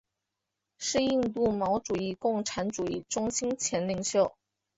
是印度毛主义共产主义中心前领袖。